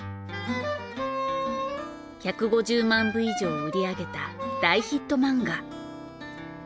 １５０万部以上を売り上げた大ヒット漫画。